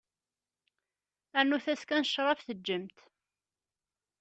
Rnut-as kan ccrab, teǧǧem-t.